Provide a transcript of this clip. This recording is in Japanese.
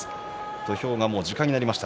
土俵が時間になりました。